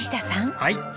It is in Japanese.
はい。